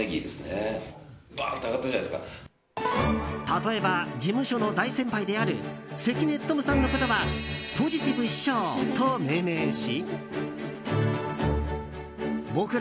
例えば、事務所の大先輩である関根勤さんのことはポジティブ師匠と命名し。